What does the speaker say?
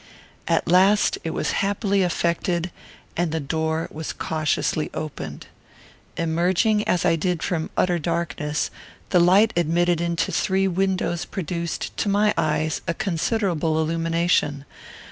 At last it was happily effected, and the door was cautiously opened. Emerging as I did from utter darkness, the light admitted into three windows produced, to my eyes, a considerable illumination.